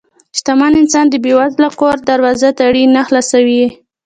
شتمن انسان د بې وزله کور دروازه تړي نه، خلاصوي یې.